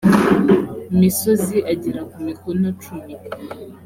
misozi agera ku mikono cumi